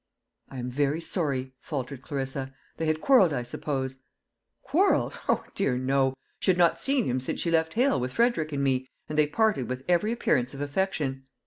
"I am very sorry," faltered Clarissa. "They had quarrelled, I suppose." "Quarrelled! O, dear no; she had not seen him since she left Hale with Frederick and me, and they parted with every appearance of affection.